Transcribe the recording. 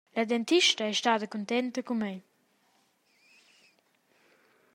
La dentista ei stada cuntenta cun tei.